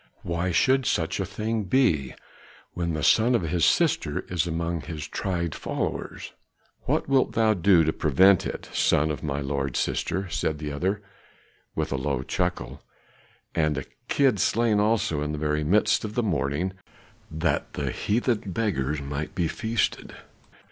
Why should such a thing be, when the son of his sister is among his tried followers?" "What wilt thou do to prevent it, son of my lord's sister," said the other, with a low chuckle "and a kid slain also, in the very midst of the mourning, that the heathen beggars might be feasted!"